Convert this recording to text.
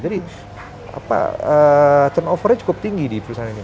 jadi turnovernya cukup tinggi di perusahaan ini